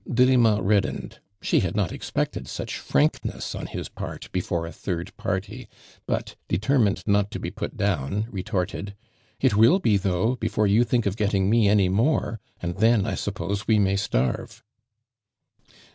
Delima reddened. She had not expected such frankness on his part before a third party, but, determined not to be put down, retorted :" It will be though, before you think of getting me any more, and then, I suppose wo may starve."